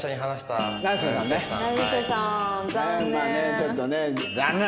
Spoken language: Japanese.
ちょっとね残念。